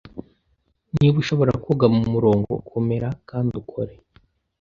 Niba ushobora koga n'umurongo, komera kandi ukore,